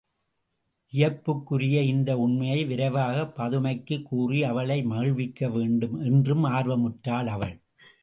வியப்புக்குரிய இந்த உண்மையை விரைவாகப் பதுமைக்குக் கூறி அவளை மகிழ்விக்க வேண்டும் என்றும் ஆர்வமுற்றாள் அவள்.